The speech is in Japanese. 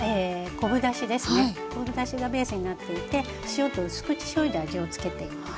昆布だしがベースになっていて塩とうす口しょうゆで味を付けています。